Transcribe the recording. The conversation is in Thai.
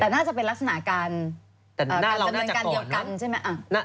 มันก็เป็นลักษณะการเงียวกันใช่ไม่